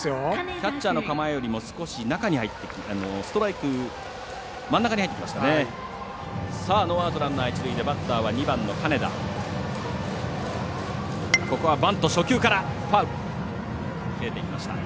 キャッチャーの構えよりも少し中に入ってストライク真ん中に入ってきましたね。